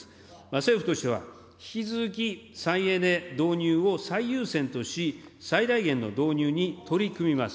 政府としては引き続き再エネ導入を最優先とし、最大限の導入に取り組みます。